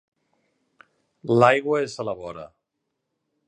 L'aigua és a la vora.